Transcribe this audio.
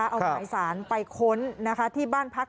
เอาหมายสารไปค้นที่บ้านพัก